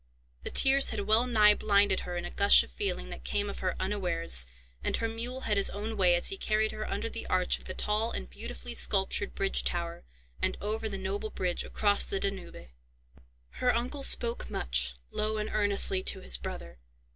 The tears had well nigh blinded her in a gush of feeling that came on her unawares, and her mule had his own way as he carried her under the arch of the tall and beautifully sculptured bridge tower, and over the noble bridge across the Danube. Her uncle spoke much, low and earnestly, to his brother.